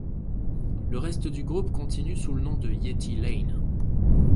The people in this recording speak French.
Le reste du groupe continue sous le nom de Yeti Lane.